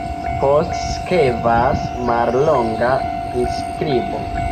Poste sekvas mallonga priskribo.